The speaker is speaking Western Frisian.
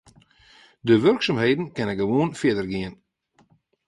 De wurksumheden kinne gewoan fierder gean.